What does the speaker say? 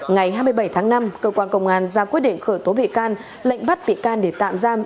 ngày hai mươi bảy tháng năm cơ quan công an ra quyết định khởi tố bị can lệnh bắt bị can để tạm giam